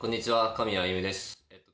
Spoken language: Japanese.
狼谷歩です。